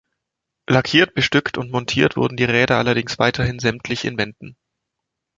Lackiert, bestückt und montiert wurden die Räder allerdings weiterhin sämtlich in Wenden.